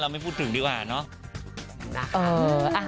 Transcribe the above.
เราไม่พูดถึงดีกว่าเนอะ